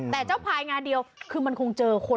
แต่เจ้าภายงานเดียวคือมันคงเจอคน